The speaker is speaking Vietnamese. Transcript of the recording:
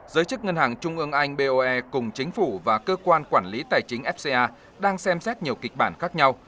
giới chức ngân hàng trung ương anh boe cùng chính phủ và cơ quan quản lý tài chính fca đang xem xét nhiều kịch bản khác nhau